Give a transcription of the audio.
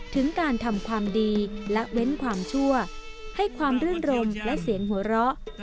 ถึงการทำความดีและเว้นความชั่วให้ความรื่นรมและเสียงหัวเราะ